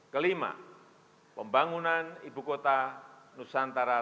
kelima pembangunan ibu kota nusantara